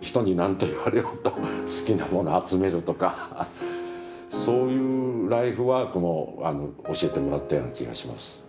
人に何と言われようと好きなものを集めるとかそういうライフワークも教えてもらったような気がします。